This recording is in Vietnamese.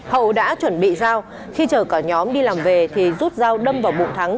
hậu đã chuẩn bị giao khi chờ cả nhóm đi làm về thì rút giao đâm vào bụng thắng